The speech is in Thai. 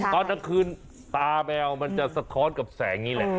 ตอนกลางคืนตาแมวมันจะสะท้อนกับแสงนี้แหละ